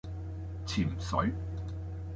潛水